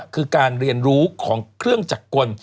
คือการเรียนรู้ของเครื่องจักรกล